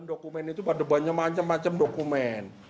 dokumen itu berbanyak macam macam dokumen